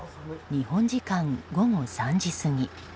日本時間午後３時過ぎ。